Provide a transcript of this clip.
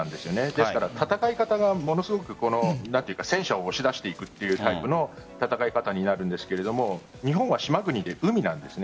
ですから、戦い方がものすごく戦車を押し出していくというタイプの戦い方になるんですが日本は島国で海なんです。